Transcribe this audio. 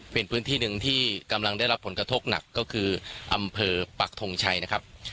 เป็นพื้นที่หนึ่งที่กำลังได้รับผลกระทบหนักก็คืออำเภอปักทงชัยนะครับ